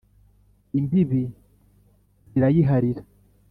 imbibi zirayiharira